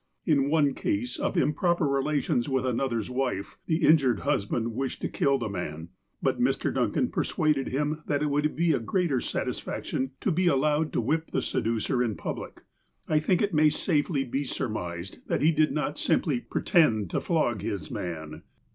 In one case of improper relations with another's wife, the injured husband wished to kill the man. But Mr. Duncan persuaded him that it would be a greater satis faction to be allowed to whip the seducer in public. I think it may safely be surmised that he did not simply 2)retend to flog his man.